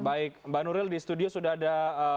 baik mbak nuril di studio sudah ada